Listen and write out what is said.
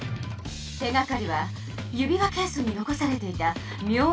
手がかりは指輪ケースに残されていたみょうな紙よ。